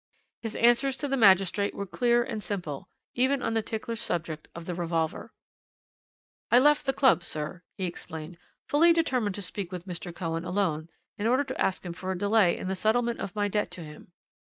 "His answers to the magistrate were clear and simple, even on the ticklish subject of the revolver. "'I left the club, sir,' he explained, 'fully determined to speak with Mr. Cohen alone in order to ask him for a delay in the settlement of my debt to him.